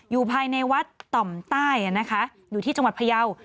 อยู่ภายในวัดต่อมใต้นะคะอยู่ที่จังหวัดพยาว